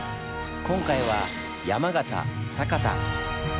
今回は山形・酒田。